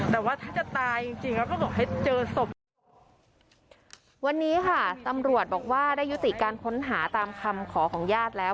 แต่ว่าถ้าจะตายจริงจริงแล้วก็บอกให้เจอศพวันนี้ค่ะตำรวจบอกว่าได้ยุติการค้นหาตามคำขอของญาติแล้ว